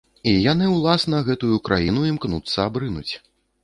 І яны ўласна гэтую краіну імкнуцца абрынуць.